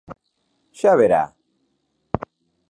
Xa verá...